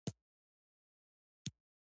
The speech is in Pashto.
لمریز ځواک د افغانستان د جغرافیې بېلګه ده.